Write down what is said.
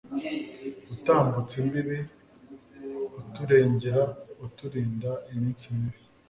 Utambutse imbibi uturengera Uturinda iminsi mibi,